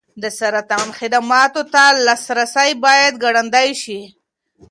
د سرطان خدماتو ته لاسرسی باید ګړندی شي.